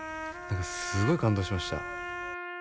何かすごい感動しました。